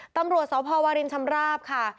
ตำรวจศาสตร์วรริญช๊ำราปค่า